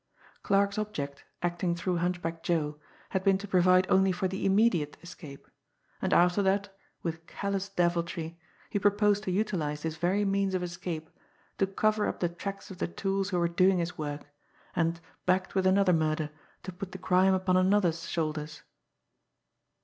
Clarke's object, acting through Hunchback Joe, had been to provide only for the immediate escape and after that, with callous deviltry, he proposed to utilise this very means of escape to cover up the tracks of the tools who were doing his work, and, backed with another murder, to put the crime upon another's shoulders!